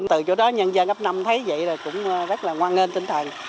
từ chỗ đó nhân dân ấp năm thấy vậy là cũng rất là hoan nghênh tinh thần